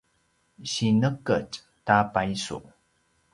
sineqetj ta paisu